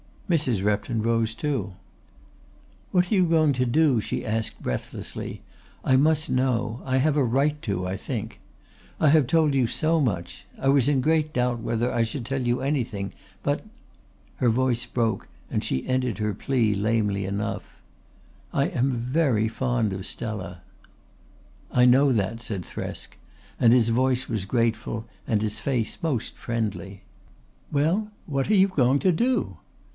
Mrs. Repton rose too. "What are you going to do?" she asked breathlessly. "I must know I have a right to, I think. I have told you so much. I was in great doubt whether I should tell you anything. But " Her voice broke and she ended her plea lamely enough: "I am very fond of Stella." "I know that," said Thresk, and his voice was grateful and his face most friendly. "Well, what are you going to do?"